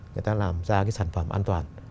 người ta làm ra cái sản phẩm an toàn